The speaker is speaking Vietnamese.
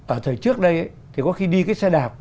ở thời trước đây thì có khi đi cái xe đạp